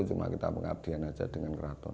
cuma kita pengabdian saja dengan keraton